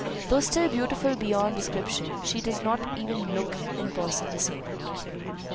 Though still beautiful beyond description, she does not look even in person the same.